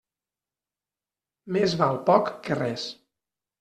Més val poc que res.